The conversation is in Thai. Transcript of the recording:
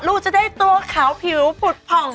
ลูกจะได้ตัวขาวผิวผุดผ่อง